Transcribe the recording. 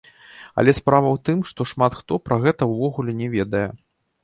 Але справа ў тым, што шмат хто пра гэта ўвогуле не ведае.